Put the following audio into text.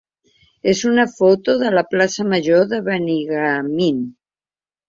és una foto de la plaça major de Benigànim.